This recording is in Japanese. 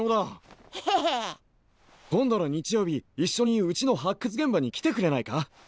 今度の日曜日いっしょにうちの発掘現場に来てくれないか？